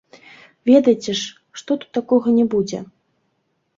Ведаеце ж, што тут такога не будзе.